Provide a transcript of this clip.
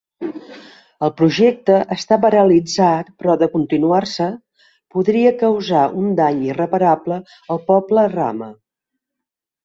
El projecte està paralitzat però de continuar-se, podria causar un dany irreparable al poble rama.